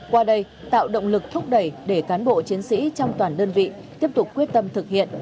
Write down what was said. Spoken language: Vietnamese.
qua đây tạo động lực thúc đẩy để cán bộ chiến sĩ trong toàn đơn vị tiếp tục quyết tâm thực hiện